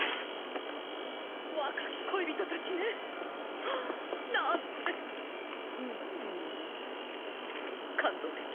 若き恋人達ねああなんてうん感動的